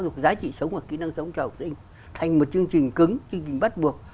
dục giá trị sống và kỹ năng sống cho học sinh thành một chương trình cứng chương trình bắt buộc